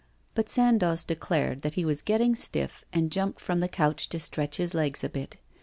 But Sandoz declared that he was getting stiff, and jumped from the couch to stretch his legs a bit.